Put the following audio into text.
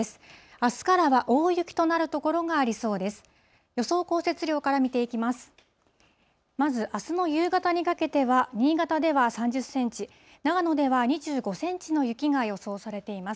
あすからは大雪となる所がありそうです。